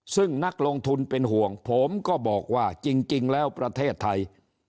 ซึ่งนักลงทุนเป็นห่วงผมก็บอกว่าจริงแล้วประเทศไทย